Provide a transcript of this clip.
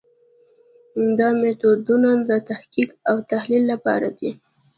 دا میتودونه د تحقیق او تحلیل لپاره دي.